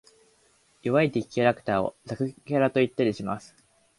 弱い敵キャラクターを雑魚キャラと言ったりします。